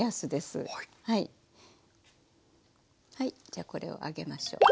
じゃあこれを揚げましょう。